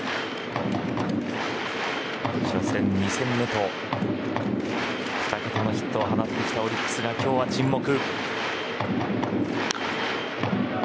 初戦、２戦目と２桁のヒットを放ってきたオリックスが今日は沈黙。